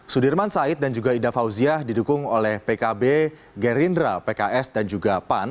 sudirman said dan juga ida fauziah didukung oleh pkb gerindra pks dan juga pan